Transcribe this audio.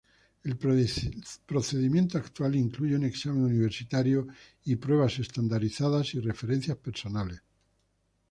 El procedimiento actual incluye un examen universitario, pruebas estandarizadas y referencias personales.